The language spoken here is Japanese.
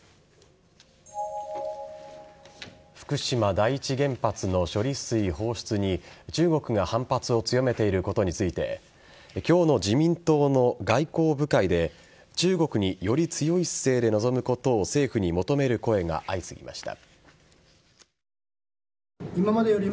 福島第一原発の処理水放出に中国が反発を強めていることについて今日の自民党の外交部会で中国により強い姿勢で臨むことを政府に求める声が相次ぎました。